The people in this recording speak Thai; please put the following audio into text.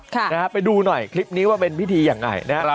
ค่ะนะฮะไปดูหน่อยคลิปนี้ว่าเป็นพิธียังไงนะครับ